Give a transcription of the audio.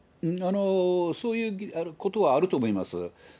そういうことはあると思います。